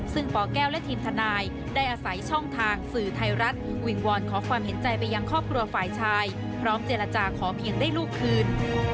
ซึ่งปแก้วและทีมทนายได้อาศัยช่องทางสื่อไทยรัฐวิงวอนขอความเห็นใจไปยังครอบครัวฝ่ายชายพร้อมเจรจาขอเพียงได้ลูกคืน